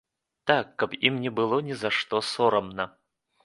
Так, каб ім не было ні за што сорамна.